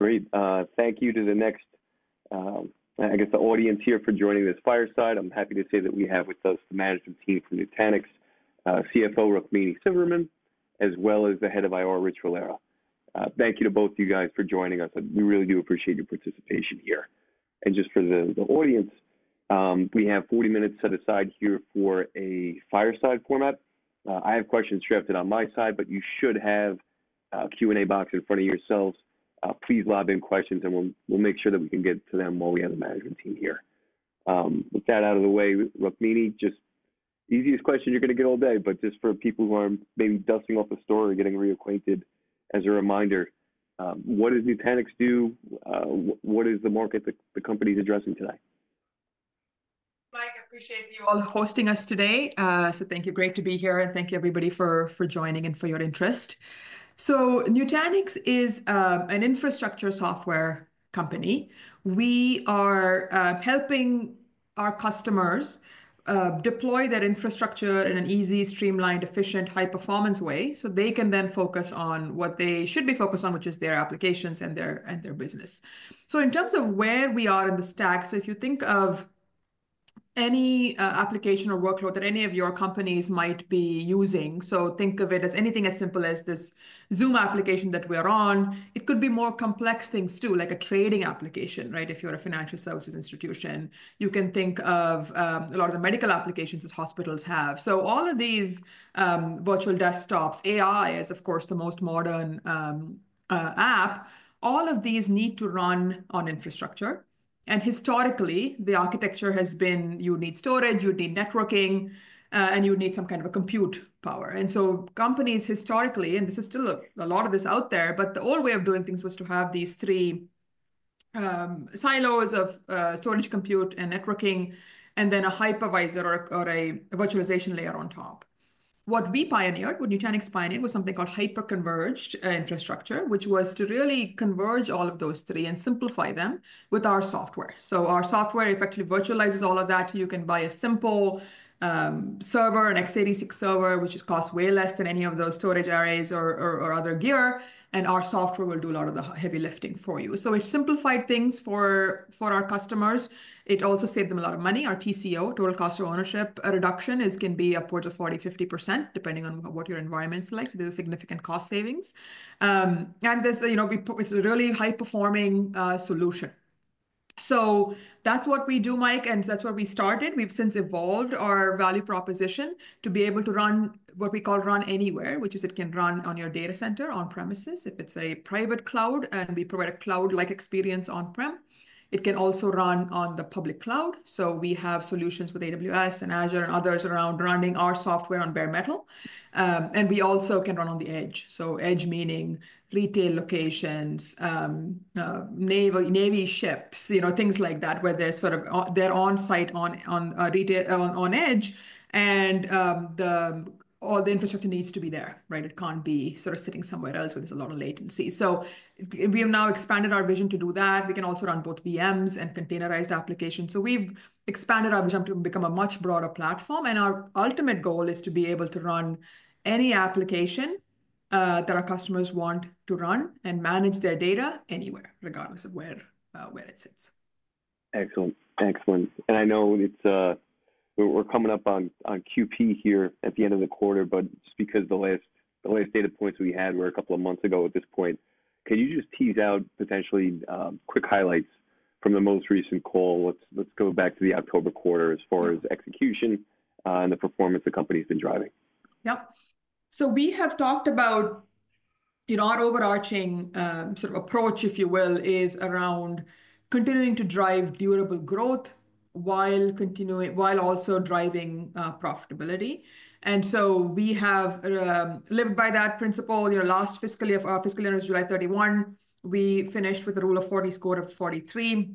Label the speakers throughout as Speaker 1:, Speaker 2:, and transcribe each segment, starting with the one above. Speaker 1: Great. Thank you to the next, I guess, the audience here for joining this fireside. I'm happy to say that we have with us the management team from Nutanix, CFO Rukmini Sivaraman, as well as the Head of IR, Rich Valera. Thank you to both of you guys for joining us. We really do appreciate your participation here, and just for the audience, we have 40 minutes set aside here for a fireside format. I have questions drafted on my side, but you should have a Q&A box in front of yourselves. Please lob in questions, and we'll make sure that we can get to them while we have the management team here. With that out of the way, Rukmini, just the easiest question you're going to get all day, but just for people who are maybe dusting off the story or getting reacquainted, as a reminder, what does Nutanix do? What is the market the company is addressing today?
Speaker 2: Mike, I appreciate you all hosting us today. So thank you. Great to be here. And thank you, everybody, for joining and for your interest. So Nutanix is an infrastructure software company. We are helping our customers deploy that infrastructure in an easy, streamlined, efficient, high-performance way so they can then focus on what they should be focused on, which is their applications and their business. So in terms of where we are in the stack, so if you think of any application or workload that any of your companies might be using, so think of it as anything as simple as this Zoom application that we are on. It could be more complex things too, like a trading application, right? If you're a financial services institution, you can think of a lot of the medical applications that hospitals have. So, all of these virtual desktops, AI is, of course, the most modern app. All of these need to run on infrastructure, and historically, the architecture has been you'd need storage, you'd need networking, and you'd need some kind of compute power, and so companies historically, and this is still a lot of this out there, but the old way of doing things was to have these three silos of storage, compute, and networking, and then a hypervisor or a virtualization layer on top. What we pioneered, what Nutanix pioneered, was something called hyperconverged infrastructure, which was to really converge all of those three and simplify them with our software, so our software effectively virtualizes all of that. You can buy a simple server, an x86 server, which costs way less than any of those storage arrays or other gear, and our software will do a lot of the heavy lifting for you. So it simplified things for our customers. It also saved them a lot of money. Our TCO, total cost of ownership reduction, can be upwards of 40%-50%, depending on what your environment selects. There's significant cost savings, and it's a really high-performing solution, so that's what we do, Mike, and that's where we started. We've since evolved our value proposition to be able to run what we call Run Anywhere, which is it can run on your data center, on-premises. If it's a private cloud and we provide a cloud-like experience on-prem, it can also run on the public cloud. We have solutions with AWS and Azure and others around running our software on bare metal. We also can run on the edge. Edge meaning retail locations, Navy ships, things like that, where they're on-site on edge. All the infrastructure needs to be there, right? It can't be sort of sitting somewhere else where there's a lot of latency. We have now expanded our vision to do that. We can also run both VMs and containerized applications. We've expanded our vision to become a much broader platform. Our ultimate goal is to be able to run any application that our customers want to run and manage their data anywhere, regardless of where it sits.
Speaker 1: Excellent. Excellent, and I know we're coming up on QP here at the end of the quarter, but just because the last data points we had were a couple of months ago at this point, can you just tease out potentially quick highlights from the most recent call? Let's go back to the October quarter as far as execution and the performance the company's been driving.
Speaker 2: Yep, so we have talked about our overarching sort of approach, if you will, around continuing to drive durable growth while also driving profitability. We have lived by that principle. Last fiscal year, our fiscal year was July 31. We finished with a Rule of 40 score of 43.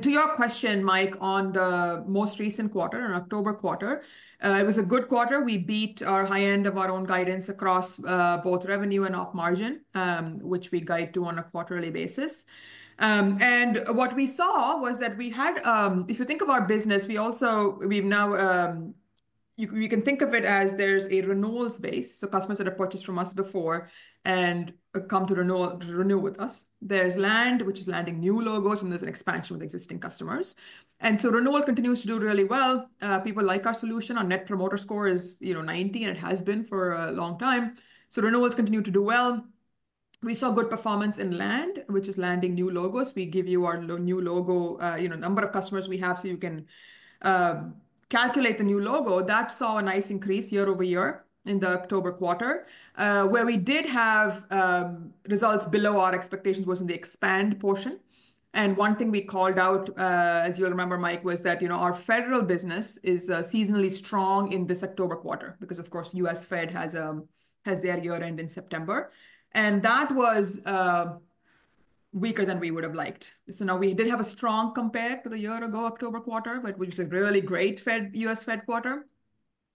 Speaker 2: To your question, Mike, on the most recent quarter, the October quarter, it was a good quarter. We beat our high end of our own guidance across both revenue and op margin, which we guide to on a quarterly basis. What we saw was that we had, if you think of our business, we also can think of it as there's a renewals base. So customers that have purchased from us before and come to renew with us. There's land, which is landing new logos, and there's an expansion with existing customers. Renewal continues to do really well. People like our solution. Our Net Promoter Score is 90, and it has been for a long time. Renewals continue to do well. We saw good performance in land, which is landing new logos. We give you our new logo number of customers we have so you can calculate the new logo. That saw a nice increase year over year in the October quarter. Where we did have results below our expectations was in the expand portion. One thing we called out, as you'll remember, Mike, was that our federal business is seasonally strong in this October quarter because, of course, U.S. Fed has their year-end in September. That was weaker than we would have liked. Now we did have a strong compare to the year ago, October quarter, which was a really great U.S. Fed quarter.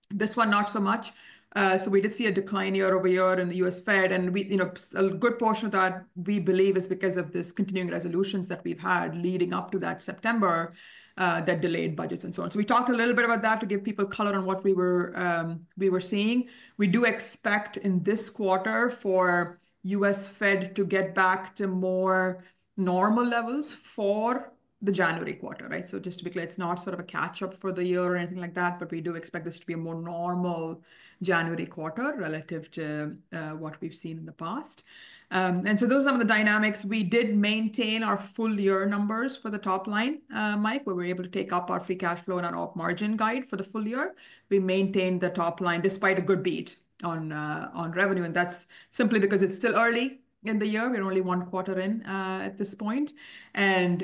Speaker 2: This one, not so much. So we did see a decline year over year in the U.S. Fed. And a good portion of that, we believe, is because of these continuing resolutions that we've had leading up to that September that delayed budgets and so on. So we talked a little bit about that to give people color on what we were seeing. We do expect in this quarter for U.S. Fed to get back to more normal levels for the January quarter, right? So just to be clear, it's not sort of a catch-up for the year or anything like that, but we do expect this to be a more normal January quarter relative to what we've seen in the past. And so those are some of the dynamics. We did maintain our full year numbers for the top line, Mike, where we were able to take up our free cash flow and our op margin guide for the full year. We maintained the top line despite a good beat on revenue, and that's simply because it's still early in the year. We're only one quarter in at this point, and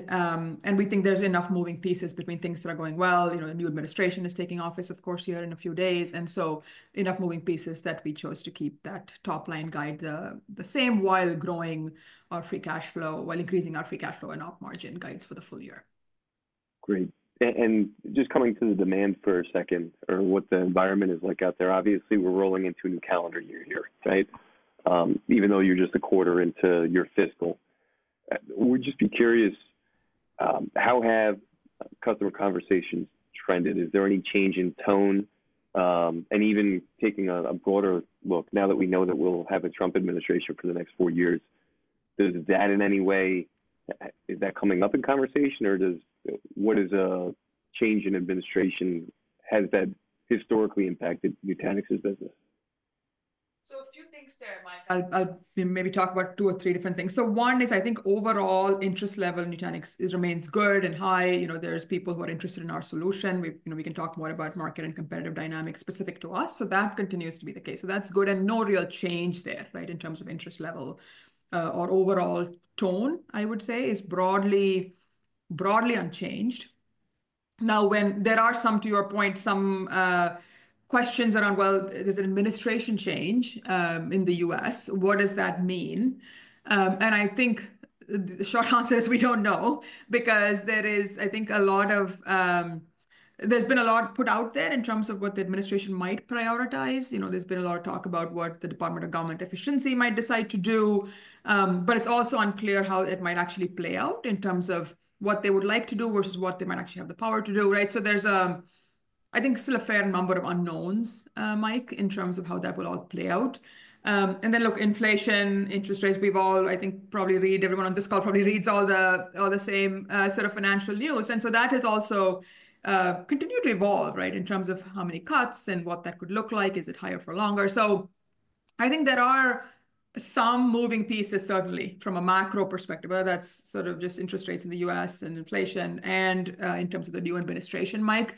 Speaker 2: we think there's enough moving pieces between things that are going well. The new administration is taking office, of course, here in a few days, and so enough moving pieces that we chose to keep that top line guide the same while growing our free cash flow, while increasing our free cash flow and op margin guides for the full year.
Speaker 1: Great. And just coming to the demand for a second, or what the environment is like out there. Obviously, we're rolling into a new calendar year here, right? Even though you're just a quarter into your fiscal, we'd just be curious, how have customer conversations trended? Is there any change in tone? And even taking a broader look, now that we know that we'll have a Trump administration for the next four years, is that in any way coming up in conversation? Or what is a change in administration? Has that historically impacted Nutanix's business?
Speaker 2: So a few things there, Mike. I'll maybe talk about two or three different things. So one is, I think, overall interest level in Nutanix remains good and high. There's people who are interested in our solution. We can talk more about market and competitive dynamics specific to us. So that continues to be the case. So that's good. And no real change there, right, in terms of interest level or overall tone, I would say, is broadly unchanged. Now, there are, to your point, some questions around, well, there's an administration change in the U.S. What does that mean? And I think the short answer is we don't know because there is, I think, a lot. There's been a lot put out there in terms of what the administration might prioritize. There's been a lot of talk about what the Department of Government Efficiency might decide to do. But it's also unclear how it might actually play out in terms of what they would like to do versus what they might actually have the power to do, right? So there's, I think, still a fair number of unknowns, Mike, in terms of how that will all play out. And then, look, inflation, interest rates, we've all, I think, probably read everyone on this call probably reads all the same sort of financial news. And so that has also continued to evolve, right, in terms of how many cuts and what that could look like. Is it higher for longer? So I think there are some moving pieces, certainly, from a macro perspective, whether that's sort of just interest rates in the U.S. and inflation. And in terms of the new administration, Mike,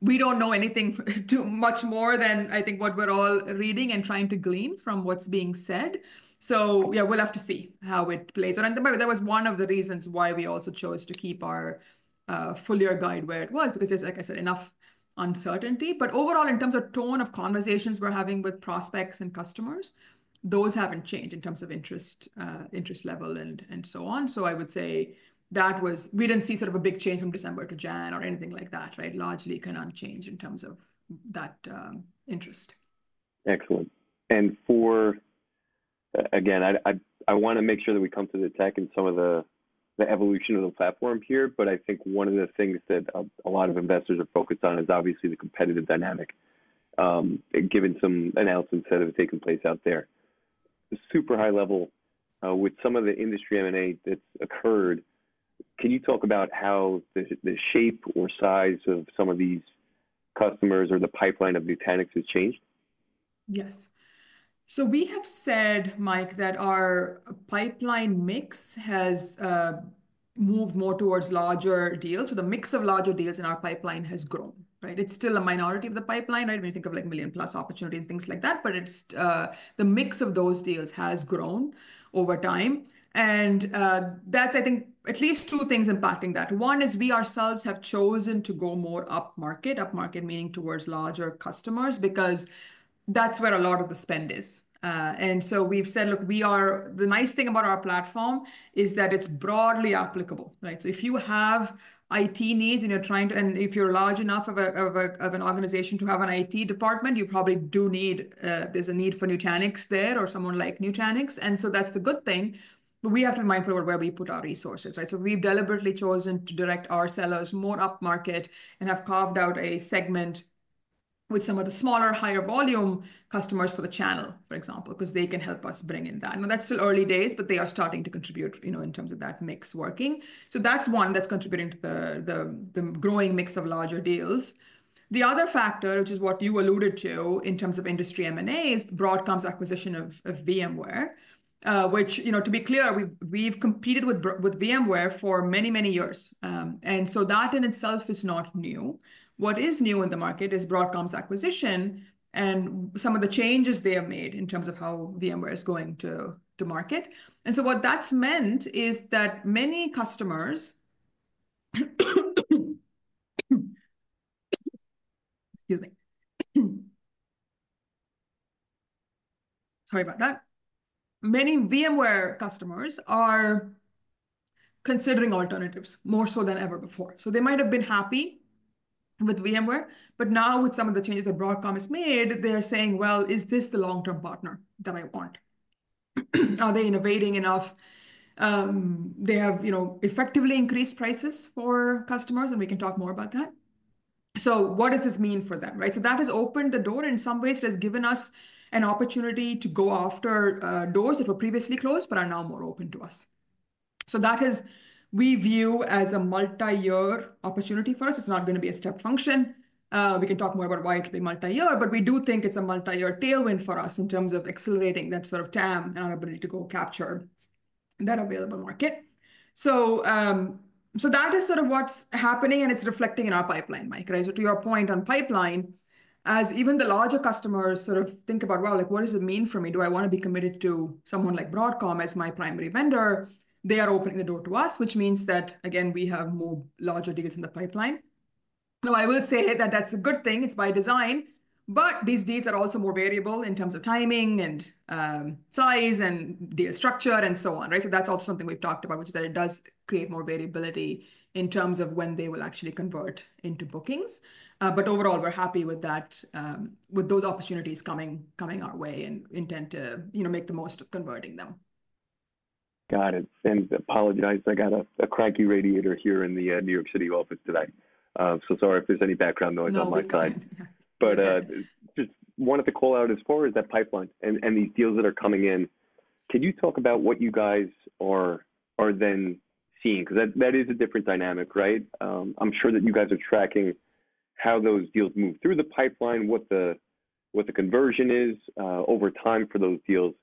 Speaker 2: we don't know anything much more than, I think, what we're all reading and trying to glean from what's being said. So yeah, we'll have to see how it plays. And that was one of the reasons why we also chose to keep our full year guide where it was because there's, like I said, enough uncertainty. But overall, in terms of tone of conversations we're having with prospects and customers, those haven't changed in terms of interest level and so on. So I would say that we didn't see sort of a big change from December to January or anything like that, right? Largely kind of unchanged in terms of that interest.
Speaker 1: Excellent. And again, I want to make sure that we come to the tech and some of the evolution of the platform here. But I think one of the things that a lot of investors are focused on is obviously the competitive dynamic, given some announcements that have taken place out there. Super high level, with some of the industry M&A that's occurred, can you talk about how the shape or size of some of these customers or the pipeline of Nutanix has changed?
Speaker 2: Yes. So we have said, Mike, that our pipeline mix has moved more towards larger deals. So the mix of larger deals in our pipeline has grown, right? It's still a minority of the pipeline, right? When you think of million-plus opportunity and things like that. But the mix of those deals has grown over time. And that's, I think, at least two things impacting that. One is we ourselves have chosen to go more up market, up market meaning towards larger customers because that's where a lot of the spend is. And so we've said, look, the nice thing about our platform is that it's broadly applicable, right? So if you have IT needs and you're trying to, and if you're large enough of an organization to have an IT department, you probably do need. There's a need for Nutanix there or someone like Nutanix. And so that's the good thing. But we have to be mindful of where we put our resources, right? So we've deliberately chosen to direct our sellers more up market and have carved out a segment with some of the smaller, higher volume customers for the channel, for example, because they can help us bring in that. And that's still early days, but they are starting to contribute in terms of that mix working. So that's one that's contributing to the growing mix of larger deals. The other factor, which is what you alluded to in terms of industry M&A, is Broadcom's acquisition of VMware, which, to be clear, we've competed with VMware for many, many years. And so that in itself is not new. What is new in the market is Broadcom's acquisition and some of the changes they have made in terms of how VMware is going to market. And so what that's meant is that many customers, excuse me, sorry about that. Many VMware customers are considering alternatives more so than ever before. So they might have been happy with VMware, but now with some of the changes that Broadcom has made, they're saying, well, is this the long-term partner that I want? Are they innovating enough? They have effectively increased prices for customers, and we can talk more about that. So what does this mean for them, right? So that has opened the door in some ways. It has given us an opportunity to go after doors that were previously closed but are now more open to us. So that is, we view as a multi-year opportunity for us. It's not going to be a step function. We can talk more about why it'll be multi-year, but we do think it's a multi-year tailwind for us in terms of accelerating that sort of TAM and our ability to go capture that available market. So that is sort of what's happening, and it's reflecting in our pipeline, Mike, right? So to your point on pipeline, as even the larger customers sort of think about, well, what does it mean for me? Do I want to be committed to someone like Broadcom as my primary vendor? They are opening the door to us, which means that, again, we have more larger deals in the pipeline. Now, I will say that that's a good thing. It's by design. But these deals are also more variable in terms of timing and size and deal structure and so on, right? So that's also something we've talked about, which is that it does create more variability in terms of when they will actually convert into bookings. But overall, we're happy with those opportunities coming our way and intend to make the most of converting them.
Speaker 1: Got it. And apologize. I got a cranky radiator here in the New York City office today. So sorry if there's any background noise on my side. But just wanted to call out as far as that pipeline and these deals that are coming in, can you talk about what you guys are then seeing? Because that is a different dynamic, right? I'm sure that you guys are tracking how those deals move through the pipeline, what the conversion is over time for those deals.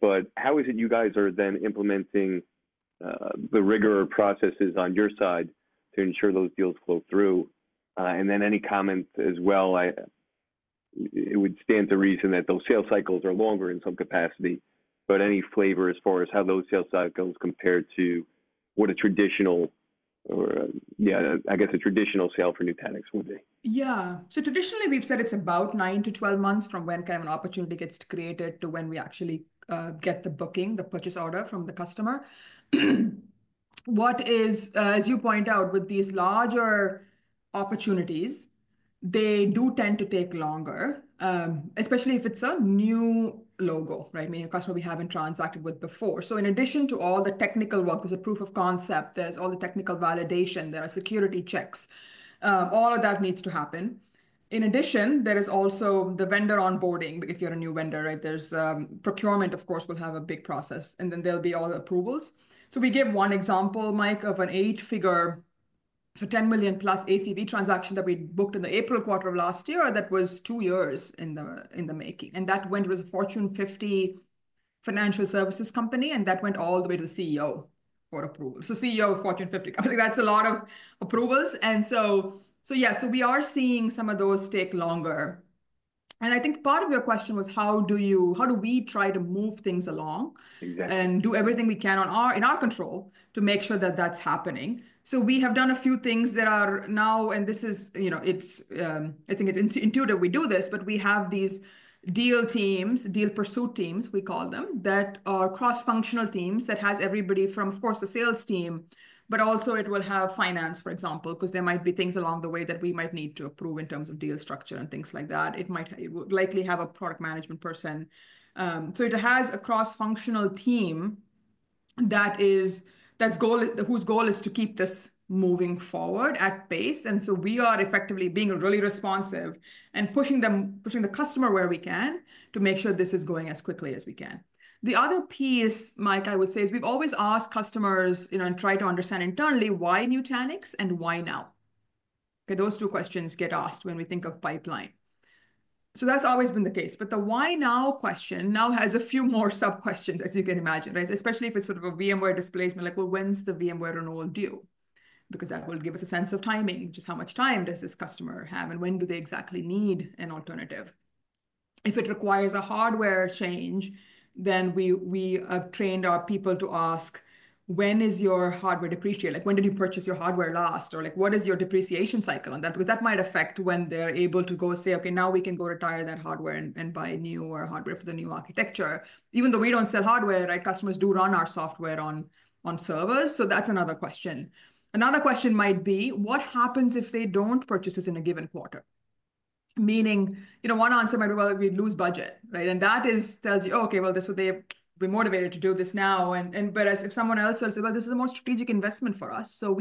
Speaker 1: But how is it you guys are then implementing the rigor processes on your side to ensure those deals flow through? And then any comments as well? It would stand to reason that those sales cycles are longer in some capacity. But any flavor as far as how those sales cycles compare to what a traditional, yeah, I guess a traditional sale for Nutanix would be?
Speaker 2: Yeah. So traditionally, we've said it's about 9 to 12 months from when kind of an opportunity gets created to when we actually get the booking, the purchase order from the customer. What is, as you point out, with these larger opportunities, they do tend to take longer, especially if it's a new logo, right? Meaning a customer we haven't transacted with before. So in addition to all the technical work, there's a proof of concept, there's all the technical validation, there are security checks. All of that needs to happen. In addition, there is also the vendor onboarding. If you're a new vendor, right? There's procurement, of course, will have a big process, and then there'll be all the approvals. We give one example, Mike, of an eight-figure, so $10 million+ ACV transaction that we booked in the April quarter of last year that was two years in the making. And that went with a Fortune 50 financial services company, and that went all the way to the CEO for approval. So CEO of Fortune 50 company. That's a lot of approvals. And so, yeah, so we are seeing some of those take longer. And I think part of your question was, how do we try to move things along and do everything we can in our control to make sure that that's happening? So, we have done a few things that are now, and this is, I think it's intuitive we do this, but we have these deal teams, deal pursuit teams we call them, that are cross-functional teams that have everybody from, of course, the sales team, but also it will have finance, for example, because there might be things along the way that we might need to approve in terms of deal structure and things like that. It would likely have a product management person. So it has a cross-functional team that's whose goal is to keep this moving forward at pace. And so we are effectively being really responsive and pushing the customer where we can to make sure this is going as quickly as we can. The other piece, Mike, I would say, is we've always asked customers and tried to understand internally why Nutanix and why now. Those two questions get asked when we think of pipeline. So that's always been the case. But the why now question now has a few more sub-questions, as you can imagine, right? Especially if it's sort of a VMware displacement, like, well, when's the VMware renewal due? Because that will give us a sense of timing, just how much time does this customer have and when do they exactly need an alternative? If it requires a hardware change, then we have trained our people to ask, when is your hardware depreciated? When did you purchase your hardware last? Or what is your depreciation cycle on that? Because that might affect when they're able to go say, okay, now we can go retire that hardware and buy new or hardware for the new architecture. Even though we don't sell hardware, right? Customers do run our software on servers. So that's another question. Another question might be, what happens if they don't purchase us in a given quarter? Meaning, one answer might be, well, we lose budget, right? And that tells you, okay, well, this would be motivated to do this now. And whereas if someone else says, well, this is the most strategic investment for us, so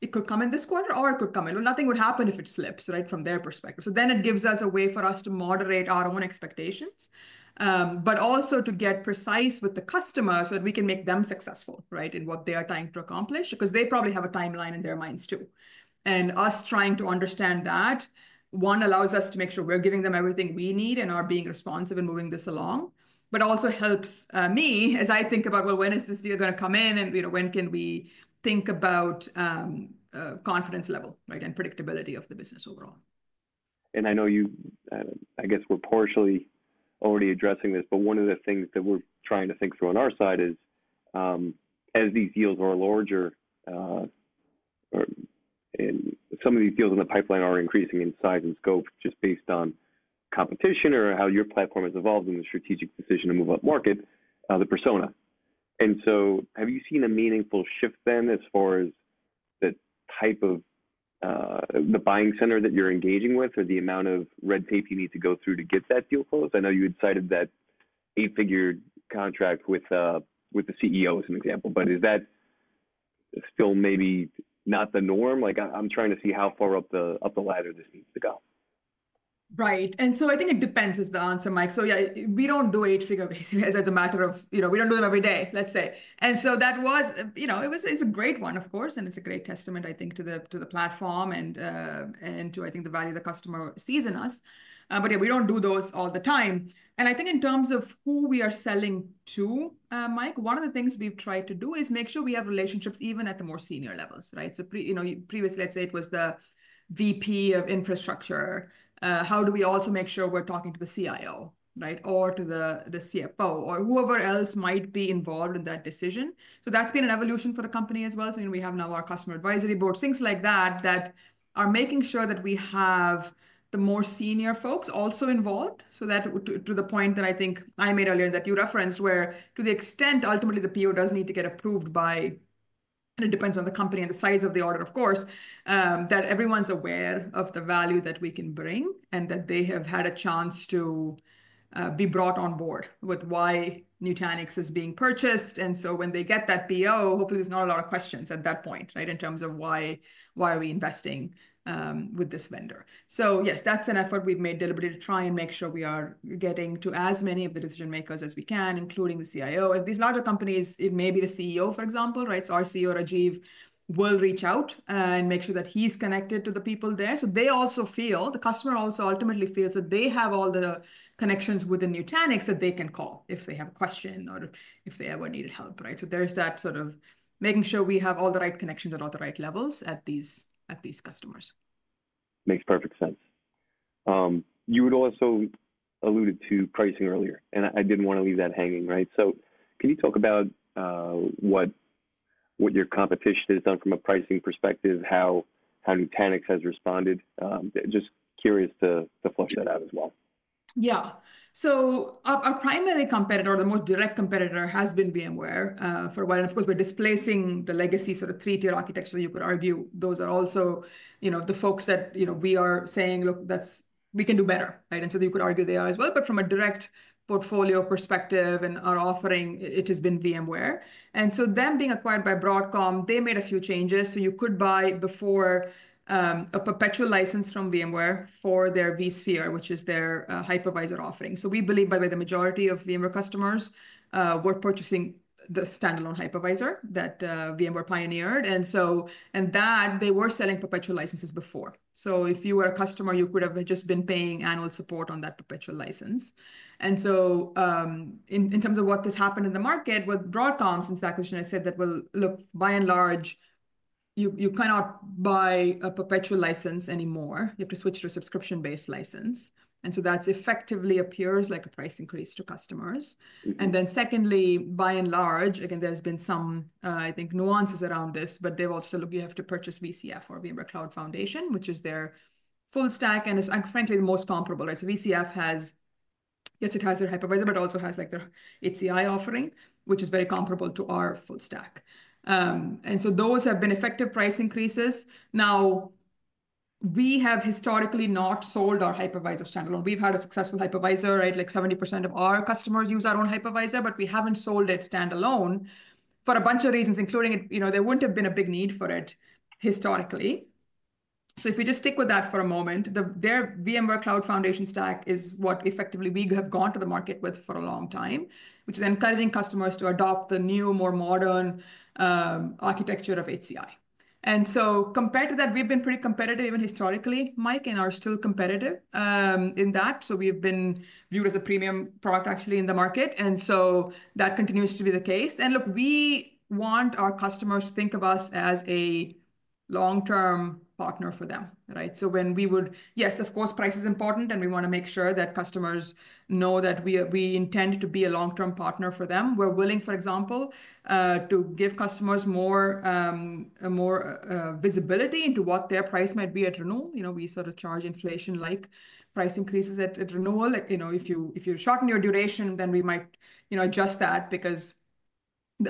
Speaker 2: it could come in this quarter or it could come in. Well, nothing would happen if it slips, right, from their perspective. So then it gives us a way for us to moderate our own expectations, but also to get precise with the customer so that we can make them successful, right, in what they are trying to accomplish because they probably have a timeline in their minds too. And us trying to understand that, one, allows us to make sure we're giving them everything we need and are being responsive and moving this along, but also helps me as I think about, well, when is this deal going to come in and when can we think about confidence level, right, and predictability of the business overall?
Speaker 1: And I know you, I guess, were partially already addressing this, but one of the things that we're trying to think through on our side is, as these deals are larger, some of these deals in the pipeline are increasing in size and scope just based on competition or how your platform has evolved in the strategic decision to move up market, the persona. And so have you seen a meaningful shift then as far as the type of the buying center that you're engaging with or the amount of red tape you need to go through to get that deal closed? I know you had cited that eight-figure contract with the CEO as an example, but is that still maybe not the norm? I'm trying to see how far up the ladder this needs to go.
Speaker 2: Right. And so, I think it depends is the answer, Mike. So yeah, we don't do eight-figure basically as a matter of we don't do them every day, let's say. And so that was, it was a great one, of course, and it's a great testament, I think, to the platform and to, I think, the value the customer sees in us. But yeah, we don't do those all the time. And I think in terms of who we are selling to, Mike, one of the things we've tried to do is make sure we have relationships even at the more senior levels, right? So previously, let's say it was the VP of infrastructure. How do we also make sure we're talking to the CIO, right, or to the CFO or whoever else might be involved in that decision? So that's been an evolution for the company as well. So we have now our customer advisory board, things like that, that are making sure that we have the more senior folks also involved so that to the point that I think I made earlier that you referenced where to the extent ultimately the PO does need to get approved by, and it depends on the company and the size of the order, of course, that everyone's aware of the value that we can bring and that they have had a chance to be brought on board with why Nutanix is being purchased. And so when they get that PO, hopefully there's not a lot of questions at that point, right, in terms of why are we investing with this vendor. So yes, that's an effort we've made deliberately to try and make sure we are getting to as many of the decision makers as we can, including the CIO. And these larger companies, it may be the CEO, for example, right? So our CEO, Rajiv, will reach out and make sure that he's connected to the people there. So they also feel, the customer also ultimately feels that they have all the connections within Nutanix that they can call if they have a question or if they ever need help, right? So there's that sort of making sure we have all the right connections at all the right levels at these customers.
Speaker 1: Makes perfect sense. You had also alluded to pricing earlier, and I didn't want to leave that hanging, right? So can you talk about what your competition has done from a pricing perspective, how Nutanix has responded? Just curious to flush that out as well.
Speaker 2: Yeah. So our primary competitor, or the most direct competitor, has been VMware for a while. And of course, we're displacing the legacy sort of three-tier architecture. You could argue those are also the folks that we are saying, look, we can do better, right? And so you could argue they are as well. But from a direct portfolio perspective and our offering, it has been VMware. And so them being acquired by Broadcom, they made a few changes. So you could buy before a perpetual license from VMware for their vSphere, which is their hypervisor offering. So we believe, by the way, the majority of VMware customers were purchasing the standalone hypervisor that VMware pioneered. And so they were selling perpetual licenses before. So if you were a customer, you could have just been paying annual support on that perpetual license. And so in terms of what has happened in the market with Broadcom, since that question I said that, well, look, by and large, you cannot buy a perpetual license anymore. You have to switch to a subscription-based license. And so that effectively appears like a price increase to customers. And then secondly, by and large, again, there's been some, I think, nuances around this, but they've also said, look, you have to purchase VCF or VMware Cloud Foundation, which is their full stack and is, frankly, the most comparable, right? So VCF has, yes, it has their hypervisor, but also has their HCI offering, which is very comparable to our full stack. And so those have been effective price increases. Now, we have historically not sold our hypervisor standalone. We've had a successful hypervisor, right? Like 70% of our customers use our own hypervisor, but we haven't sold it standalone for a bunch of reasons, including it. There wouldn't have been a big need for it historically. So if we just stick with that for a moment, their VMware Cloud Foundation stack is what effectively we have gone to the market with for a long time, which is encouraging customers to adopt the new, more modern architecture of HCI. And so compared to that, we've been pretty competitive even historically, Mike, and are still competitive in that. So we've been viewed as a premium product actually in the market. And so that continues to be the case. And look, we want our customers to think of us as a long-term partner for them, right? So when we would, yes, of course, price is important, and we want to make sure that customers know that we intend to be a long-term partner for them. We're willing, for example, to give customers more visibility into what their price might be at renewal. We sort of charge inflation-like price increases at renewal. If you shorten your duration, then we might adjust that because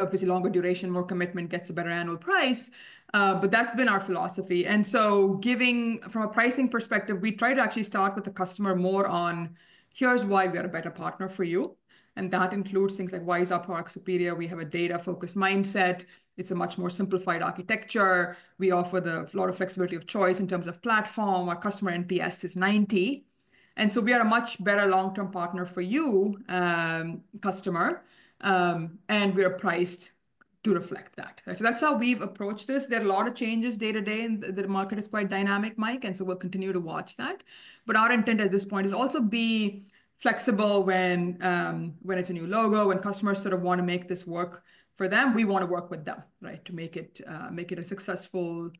Speaker 2: obviously longer duration, more commitment gets a better annual price. But that's been our philosophy. And so giving from a pricing perspective, we try to actually start with the customer more on, here's why we are a better partner for you. And that includes things like, why is our product superior? We have a data-focused mindset. It's a much more simplified architecture. We offer the full of flexibility of choice in terms of platform. Our customer NPS is 90. And so we are a much better long-term partner for you, customer. And we are priced to reflect that. So that's how we've approached this. There are a lot of changes day to day in the market. It's quite dynamic, Mike. And so we'll continue to watch that. But our intent at this point is also be flexible when it's a new logo, when customers sort of want to make this work for them, we want to work with them, right, to make it a successful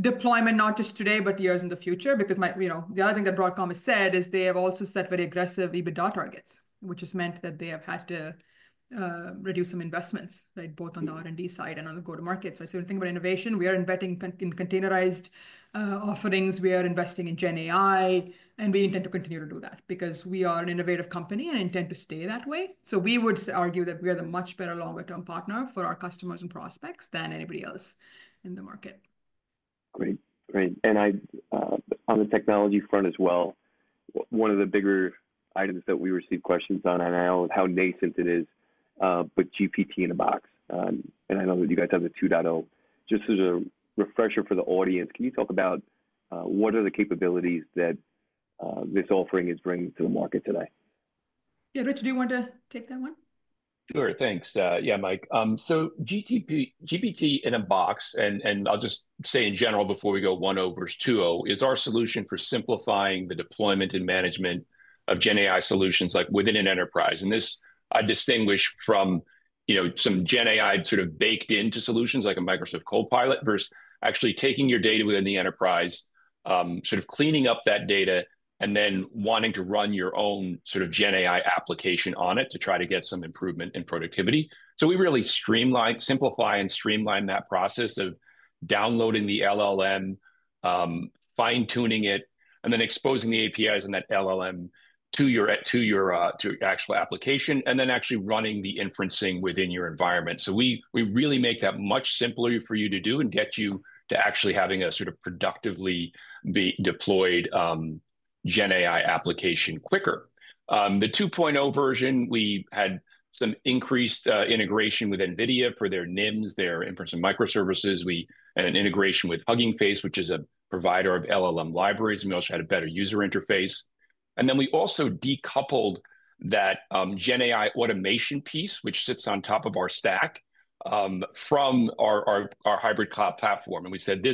Speaker 2: deployment, not just today, but years in the future. Because the other thing that Broadcom has said is they have also set very aggressive EBITDA targets, which has meant that they have had to reduce some investments, right, both on the R&D side and on the go-to-market. So I sort of think about innovation. We are embedding in containerized offerings. We are investing in GenAI, and we intend to continue to do that because we are an innovative company and intend to stay that way. So we would argue that we are the much better longer-term partner for our customers and prospects than anybody else in the market.
Speaker 1: Great. Great. And on the technology front as well, one of the bigger items that we receive questions on, and I know how nascent it is, but GPT-in-a-Box. And I know that you guys have the 2.0. Just as a refresher for the audience, can you talk about what are the capabilities that this offering is bringing to the market today?
Speaker 2: Yeah, Richard, do you want to take that one?
Speaker 3: Sure. Thanks. Yeah, Mike. So GPT-in-a-Box, and I'll just say in general before we go 1.0 versus 2.0, is our solution for simplifying the deployment and management of GenAI solutions within an enterprise. And this distinguishes from some GenAI sort of baked into solutions like a Microsoft Copilot versus actually taking your data within the enterprise, sort of cleaning up that data, and then wanting to run your own sort of GenAI application on it to try to get some improvement in productivity. So we really simplify and streamline that process of downloading the LLM, fine-tuning it, and then exposing the APIs in that LLM to your actual application, and then actually running the inferencing within your environment. So we really make that much simpler for you to do and get you to actually having a sort of productively deployed GenAI application quicker. The 2.0 version, we had some increased integration with NVIDIA for their NIMs, their inference and microservices, and an integration with Hugging Face, which is a provider of LLM libraries. And we also had a better user interface. And then we also decoupled that GenAI automation piece, which sits on top of our stack from our hybrid cloud platform. And we said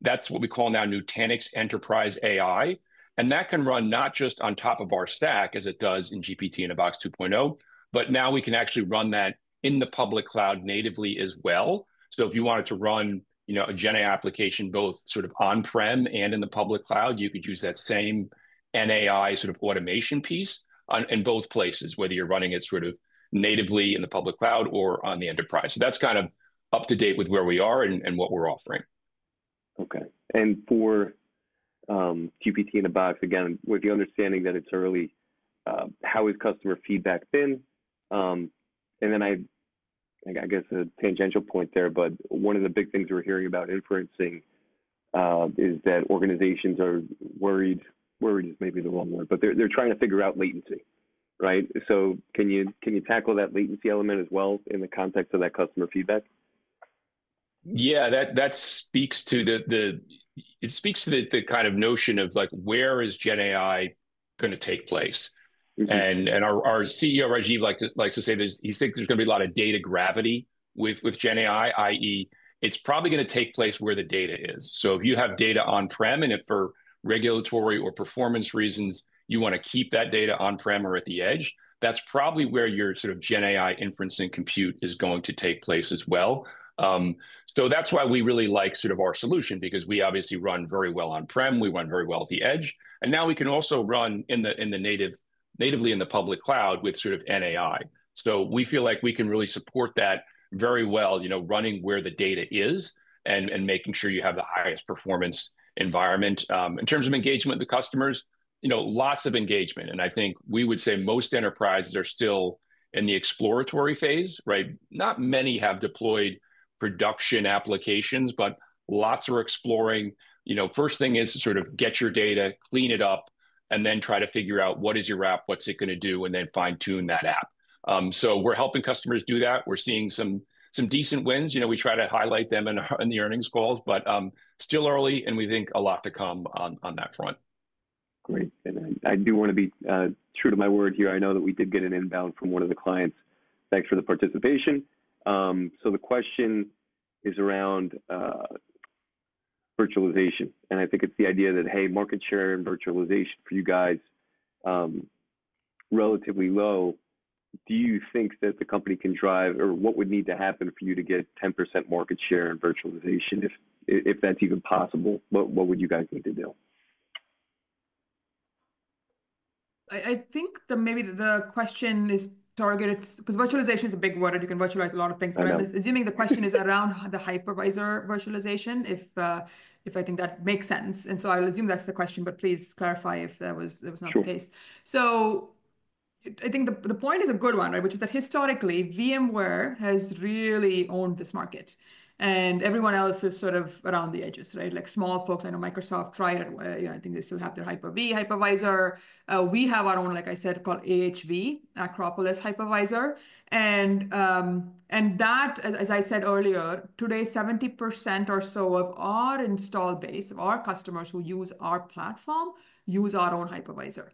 Speaker 3: that's what we call now Nutanix Enterprise AI. And that can run not just on top of our stack as it does in GPT-in-a-Box 2.0, but now we can actually run that in the public cloud natively as well. So if you wanted to run a GenAI application both sort of on-prem and in the public cloud, you could use that same NAI sort of automation piece in both places, whether you're running it sort of natively in the public cloud or on the enterprise. So that's kind of up to date with where we are and what we're offering.
Speaker 1: Okay. And for GPT in a box, again, with the understanding that it's early, how has customer feedback been? And then I guess a tangential point there, but one of the big things we're hearing about inferencing is that organizations are worried, worried is maybe the wrong word, but they're trying to figure out latency, right? So can you tackle that latency element as well in the context of that customer feedback?
Speaker 3: Yeah, that speaks to the kind of notion of where is GenAI going to take place. And our CEO, Rajiv, likes to say he thinks there's going to be a lot of data gravity with GenAI, i.e., it's probably going to take place where the data is. So if you have data on-prem and if for regulatory or performance reasons, you want to keep that data on-prem or at the edge, that's probably where your sort of GenAI inferencing compute is going to take place as well. So that's why we really like sort of our solution because we obviously run very well on-prem. We run very well at the edge. And now we can also run natively in the public cloud with sort of NAI. So we feel like we can really support that very well, running where the data is and making sure you have the highest performance environment. In terms of engagement with the customers, lots of engagement. And I think we would say most enterprises are still in the exploratory phase, right? Not many have deployed production applications, but lots are exploring. First thing is to sort of get your data, clean it up, and then try to figure out what is your app, what's it going to do, and then fine-tune that app. So we're helping customers do that. We're seeing some decent wins. We try to highlight them in the earnings calls, but still early, and we think a lot to come on that front.
Speaker 1: Great. And I do want to be true to my word here. I know that we did get an inbound from one of the clients. Thanks for the participation. So the question is around virtualization. And I think it's the idea that, hey, market share and virtualization for you guys relatively low. Do you think that the company can drive or what would need to happen for you to get 10% market share and virtualization, if that's even possible? What would you guys need to do?
Speaker 2: I think maybe the question is targeted because virtualization is a big word. You can virtualize a lot of things. But I'm assuming the question is around the hypervisor virtualization, if I think that makes sense. And so I'll assume that's the question, but please clarify if that was not the case. So I think the point is a good one, right, which is that historically, VMware has really owned this market. And everyone else is sort of around the edges, right? Like small folks, I know Microsoft tried it. I think they still have their Hyper-V hypervisor. We have our own, like I said, called AHV, Acropolis Hypervisor. And that, as I said earlier, today, 70% or so of our installed base of our customers who use our platform use our own hypervisor.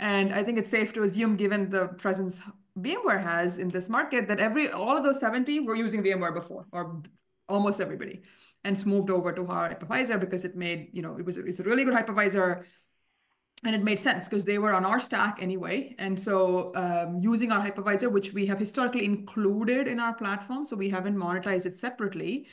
Speaker 2: I think it's safe to assume, given the presence that VMware has in this market, that all of those 70 were using VMware before or almost everybody. It's moved over to our hypervisor because it was a really good hypervisor. It made sense because they were on our stack anyway. So using our hypervisor, which we have historically included in our platform, so we haven't monetized it separately,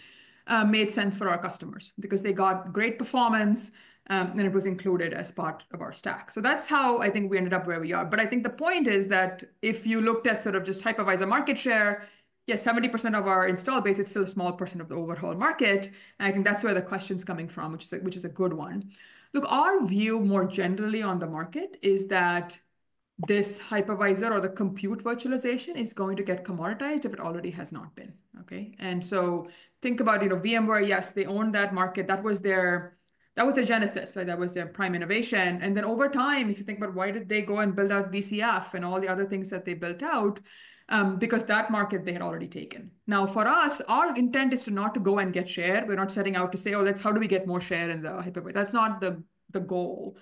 Speaker 2: made sense for our customers because they got great performance, and it was included as part of our stack. So that's how I think we ended up where we are. But I think the point is that if you looked at sort of just hypervisor market share, yeah, 70% of our installed base, it's still a small % of the overall market. I think that's where the question's coming from, which is a good one. Look, our view more generally on the market is that this hypervisor or the compute virtualization is going to get commoditized if it already has not been, okay? And so think about VMware, yes, they own that market. That was their genesis. That was their prime innovation. And then over time, if you think about why did they go and build out VCF and all the other things that they built out, because that market they had already taken. Now, for us, our intent is not to go and get share. We're not setting out to say, "Oh, let's how do we get more share in the hypervisor?" That's not the goal.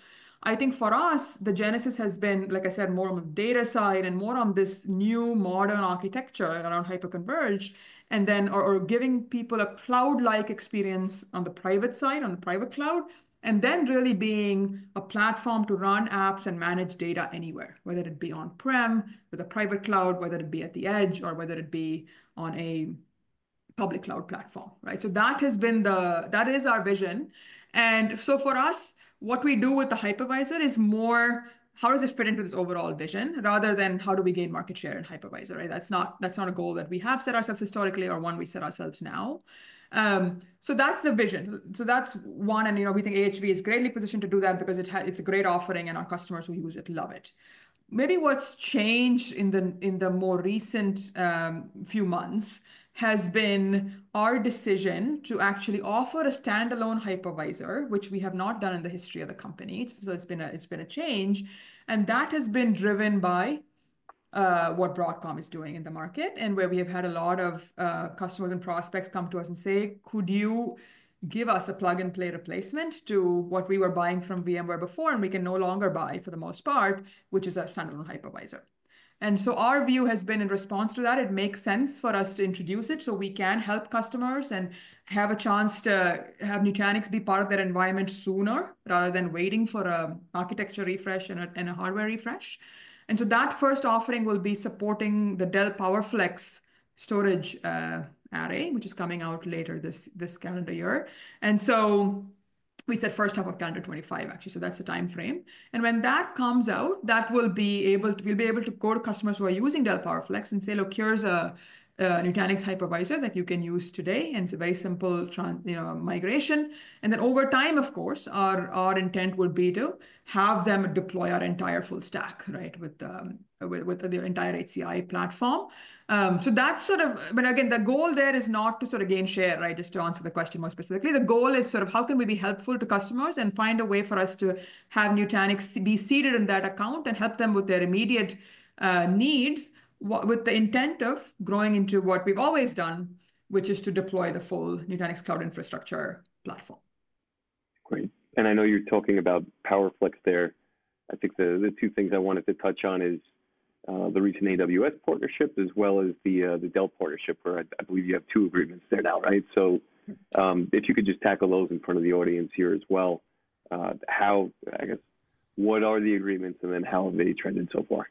Speaker 2: I think for us, the genesis has been, like I said, more on the data side and more on this new modern architecture around hyper-converged and then giving people a cloud-like experience on the private side, on the private cloud, and then really being a platform to run apps and manage data anywhere, whether it be on-prem with a private cloud, whether it be at the edge, or whether it be on a public cloud platform, right? So that has been, that is our vision, and so for us, what we do with the hypervisor is more, how does it fit into this overall vision rather than how do we gain market share in hypervisor, right? That's not a goal that we have set ourselves historically or one we set ourselves now. So that's the vision. So that's one. And we think AHV is greatly positioned to do that because it's a great offering and our customers who use it love it. Maybe what's changed in the more recent few months has been our decision to actually offer a standalone hypervisor, which we have not done in the history of the company. So it's been a change. That has been driven by what Broadcom is doing in the market and where we have had a lot of customers and prospects come to us and say, "Could you give us a plug-and-play replacement to what we were buying from VMware before and we can no longer buy for the most part, which is a standalone hypervisor?" Our view has been in response to that, it makes sense for us to introduce it so we can help customers and have a chance to have Nutanix be part of their environment sooner rather than waiting for an architecture refresh and a hardware refresh. That first offering will be supporting the Dell PowerFlex storage array, which is coming out later this calendar year. We said first half of calendar 2025, actually. That's the time frame. And when that comes out, we'll be able to go to customers who are using Dell PowerFlex and say, "Look, here's a Nutanix hypervisor that you can use today." And it's a very simple migration. And then over time, of course, our intent would be to have them deploy our entire full stack, right, with the entire HCI platform. So that's sort of, but again, the goal there is not to sort of gain share, right, just to answer the question more specifically. The goal is sort of how can we be helpful to customers and find a way for us to have Nutanix be seated in that account and help them with their immediate needs with the intent of growing into what we've always done, which is to deploy the full Nutanix Cloud Infrastructure platform.
Speaker 1: Great. And I know you're talking about PowerFlex there. I think the two things I wanted to touch on is the recent AWS partnership as well as the Dell partnership, where I believe you have two agreements there now, right? So if you could just tackle those in front of the audience here as well, how, I guess, what are the agreements and then how have they trended so far?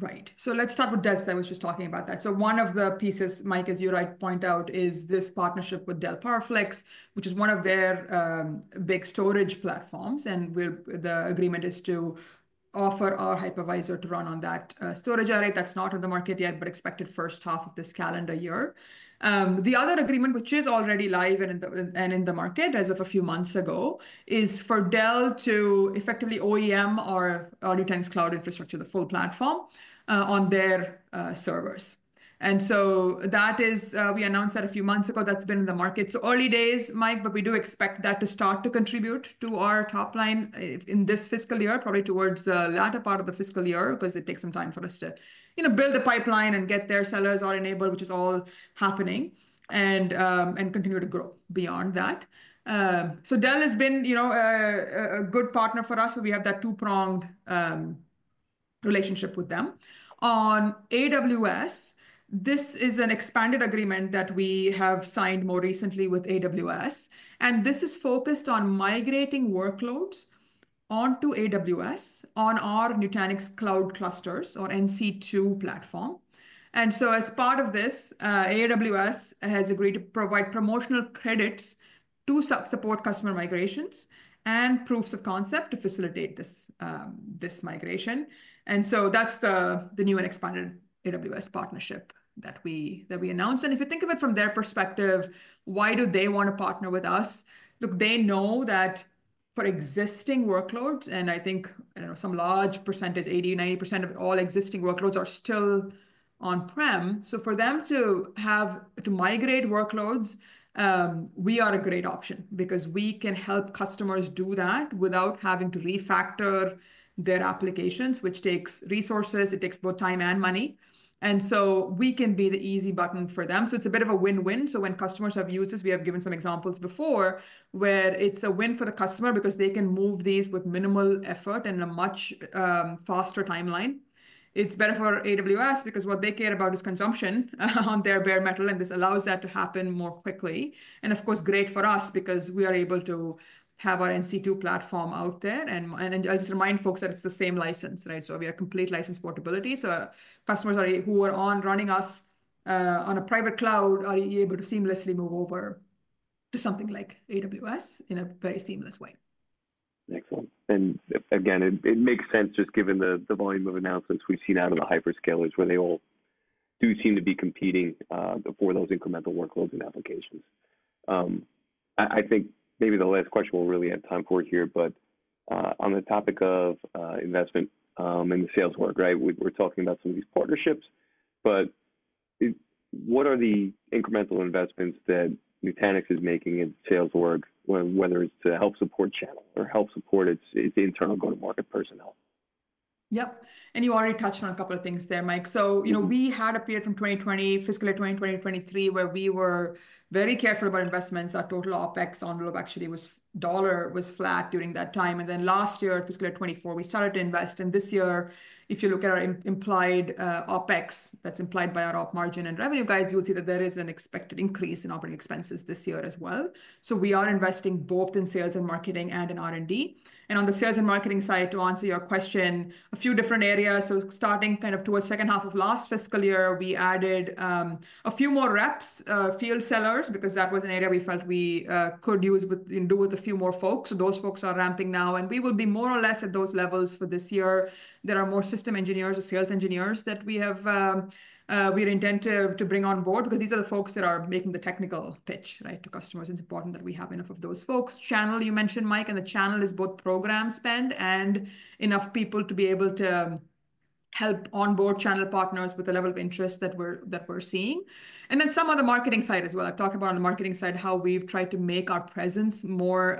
Speaker 2: Right. So let's start with this. I was just talking about that. So one of the pieces, Mike, as you rightly point out, is this partnership with Dell PowerFlex, which is one of their big storage platforms. And the agreement is to offer our hypervisor to run on that storage array. That's not in the market yet, but expected first half of this calendar year. The other agreement, which is already live and in the market as of a few months ago, is for Dell to effectively OEM our Nutanix Cloud Infrastructure, the full platform on their servers. And so that is, we announced that a few months ago. That's been in the market. So early days, Mike, but we do expect that to start to contribute to our top line in this fiscal year, probably towards the latter part of the fiscal year because it takes some time for us to build the pipeline and get their sellers all enabled, which is all happening, and continue to grow beyond that. So Dell has been a good partner for us. So we have that two-pronged relationship with them. On AWS, this is an expanded agreement that we have signed more recently with AWS. And this is focused on migrating workloads onto AWS on our Nutanix Cloud Clusters or NC2 platform. And so as part of this, AWS has agreed to provide promotional credits to support customer migrations and proofs of concept to facilitate this migration. And so that's the new and expanded AWS partnership that we announced. And if you think of it from their perspective, why do they want to partner with us? Look, they know that for existing workloads, and I think some large percentage, 80%, 90% of all existing workloads are still on-prem. So for them to have to migrate workloads, we are a great option because we can help customers do that without having to refactor their applications, which takes resources. It takes both time and money. And so we can be the easy button for them. So it's a bit of a win-win. So when customers have used this, we have given some examples before where it's a win for the customer because they can move these with minimal effort and a much faster timeline. It's better for AWS because what they care about is consumption on their bare metal, and this allows that to happen more quickly. Of course, great for us because we are able to have our NC2 platform out there. I'll just remind folks that it's the same license, right? We have complete license portability. Customers who are running us on a private cloud are able to seamlessly move over to something like AWS in a very seamless way.
Speaker 1: Excellent. And again, it makes sense just given the volume of announcements we've seen out of the hyperscalers where they all do seem to be competing for those incremental workloads and applications. I think maybe the last question we'll really have time for here, but on the topic of investment and the sales work, right? We're talking about some of these partnerships, but what are the incremental investments that Nutanix is making in sales work, whether it's to help support channel or help support its internal go-to-market personnel?
Speaker 2: Yep. And you already touched on a couple of things there, Mike. So we had a period from 2020, fiscal year 2020-2023, where we were very careful about investments. Our total OpEx actually was flat during that time. And then last year, fiscal year 2024, we started to invest. And this year, if you look at our implied OpEx that's implied by our Op margin and revenue guidance, you'll see that there is an expected increase in operating expenses this year as well. So we are investing both in sales and marketing and in R&D. And on the sales and marketing side, to answer your question, a few different areas. So starting kind of towards second half of last fiscal year, we added a few more reps, field sellers, because that was an area we felt we could do with a few more folks. So those folks are ramping now, and we will be more or less at those levels for this year. There are more system engineers or sales engineers that we intend to bring on board because these are the folks that are making the technical pitch, right, to customers. It's important that we have enough of those folks. Channel, you mentioned, Mike, and the channel is both program spend and enough people to be able to help onboard channel partners with the level of interest that we're seeing. And then some of the marketing side as well. I've talked about on the marketing side how we've tried to make our presence more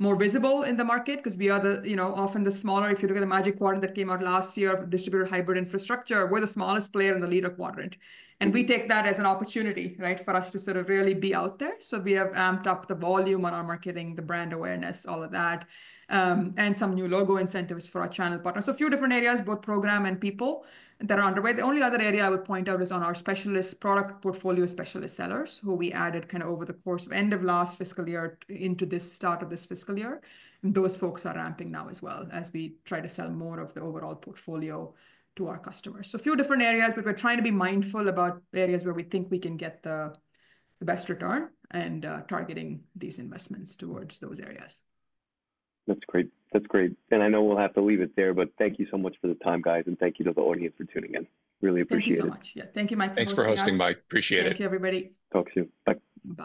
Speaker 2: visible in the market because we are often the smaller, if you look at the Magic Quadrant that came out last year, Distributed Hybrid Infrastructure, we're the smallest player in the leader quadrant. And we take that as an opportunity, right, for us to sort of really be out there. So we have amped up the volume on our marketing, the brand awareness, all of that, and some new logo incentives for our channel partners. So a few different areas, both program and people that are underway. The only other area I would point out is on our specialist product portfolio specialist sellers who we added kind of over the course of end of last fiscal year into this start of this fiscal year. And those folks are ramping now as well as we try to sell more of the overall portfolio to our customers. So a few different areas, but we're trying to be mindful about areas where we think we can get the best return and targeting these investments towards those areas.
Speaker 1: That's great. That's great. And I know we'll have to leave it there, but thank you so much for the time, guys, and thank you to the audience for tuning in. Really appreciate it.
Speaker 2: Thank you so much. Yeah. Thank you, Mike.
Speaker 3: Thanks for hosting, Mike. Appreciate it.
Speaker 2: Thank you, everybody.
Speaker 1: Talk soon. Bye.
Speaker 2: Bye.